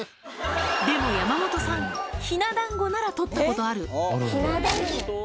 でも山本さん、ひなだんごなら撮ったことある。